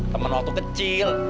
teman waktu kecil